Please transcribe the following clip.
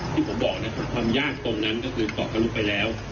ที่ผมบอกนะครับความยากตรงนั้นก็คือเกาะทะลุไปแล้ว